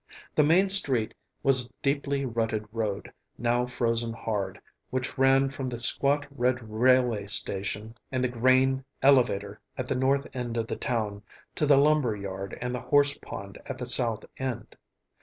The main street was a deeply rutted road, now frozen hard, which ran from the squat red railway station and the grain "elevator" at the north end of the town to the lumber yard and the horse pond at the south end.